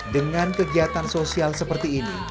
dengan kegiatan sosial seperti ini